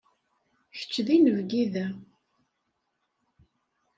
Kečč d inebgi da.